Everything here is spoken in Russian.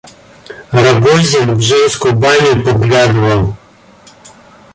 Рагозин в женскую баню подглядывал.